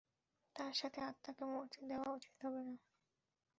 তার সাথে আত্মাকে মরতে দেওয়া উচিত হবে না।